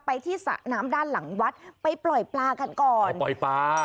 ไปที่สระน้ำด้านหลังวัดไปปล่อยปลากันก่อนไปปล่อยปลา